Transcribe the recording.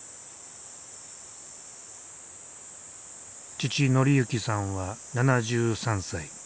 父紀幸さんは７３歳。